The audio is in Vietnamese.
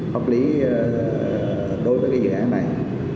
pháp lý đối với cái dự án này